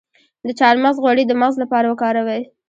د چارمغز غوړي د مغز لپاره وکاروئ